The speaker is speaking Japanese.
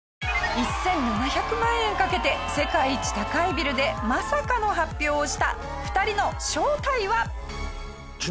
１７００万円かけて世界一高いビルでまさかの発表をした２人の正体は？